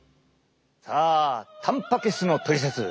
さあたんぱく質のトリセツ